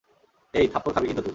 এই, থাপ্পড় খাবি কিন্তু তুই।